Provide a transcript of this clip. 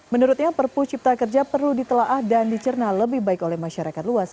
menurutnya perpu cipta kerja perlu ditelaah dan dicerna lebih baik oleh masyarakat luas